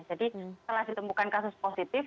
jadi setelah ditemukan kasus positif